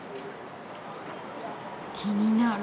気になる。